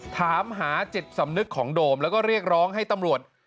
ถามหาจิตสำนึกของโดมแล้วก็เรียกร้องให้ตำรวจ